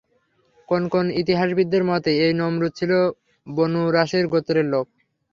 কোন কোন ইতিহাসবিদের মতে, এই নমরূদ ছিল বনূ রাসিব গোত্রের লোেক।